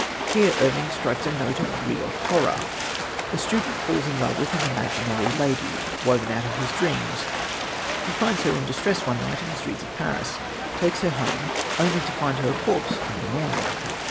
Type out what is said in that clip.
Here Irving strikes a note of real horror. The student falls in love with an imaginary lady, woven out of his dreams. He finds her in distress one night in the streets of Paris, takes her home, only to find her a corpse in the morning.